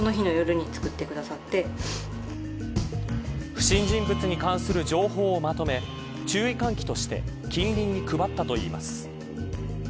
不審人物に関する情報をまとめ注意喚起として近隣に配ったといいます。